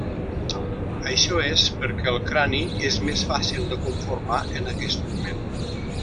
Això és perquè el crani és més fàcil de conformar en aquest moment.